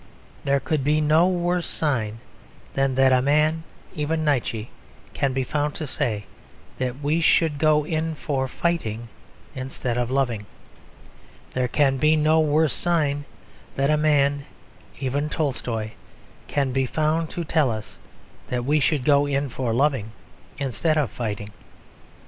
There could be no worse sign than that a man, even Nietzsche, can be found to say that we should go in for fighting instead of loving. There can be no worse sign than that a man, even Tolstoi, can be found to tell us that we should go in for loving instead of fighting.